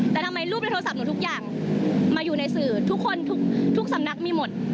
แต่ทำไมรูปในโทรศัพท์หนูทุกอย่างมาอยู่ในสื่อทุกคนทุกสำนักมีหมด